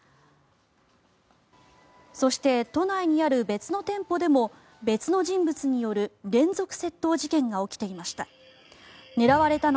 そして、都内にある別の店舗でも別の人物による連続窃盗事件が起きていました。